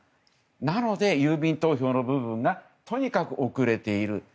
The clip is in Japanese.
なので、郵便投票の部分がとにかく遅れている。